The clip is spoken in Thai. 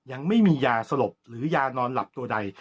ยังไม่มียาสลบหรือยานอนหลับตัวใด